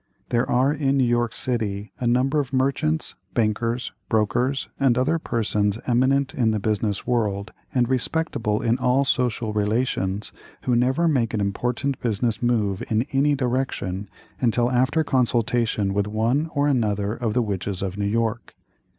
There are in New York city a number of merchants, bankers, brokers, and other persons eminent in the business world, and respectable in all social relations, who never make an important business move in any direction, until after consultation with one or another of the Witches of New York.